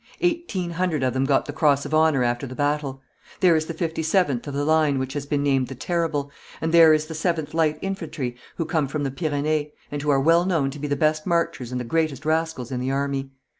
Eighteen hundred of them got the cross of honour after the battle. There is the 57th of the line, which has been named "The Terrible," and there is the 7th Light Infantry, who come from the Pyrenees, and who are well known to be the best marchers and the greatest rascals in the army.